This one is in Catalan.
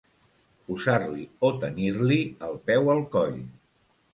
Posar-li o tenir-li el peu al coll.